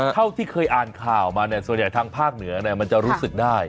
เท่าที่เคยอ่านข่าวมาเนี่ยส่วนใหญ่ทางภาคเหนือมันจะรู้สึกได้